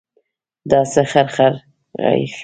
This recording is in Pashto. دا څه خرخر غږېږې.